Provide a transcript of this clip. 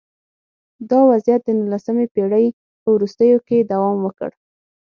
دا وضعیت د نولسمې پېړۍ په وروستیو کې دوام وکړ